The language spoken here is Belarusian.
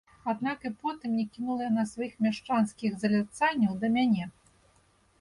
Аднак і потым не кінула яна сваіх мяшчанскіх заляцанняў да мяне.